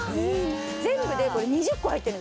全部で２０個入ってる。